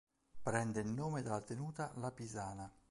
Prende il nome dalla tenuta "la Pisana".